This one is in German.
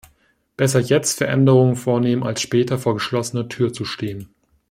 Besser jetzt Veränderungen vornehmen, als später vor geschlossener Tür zu stehen.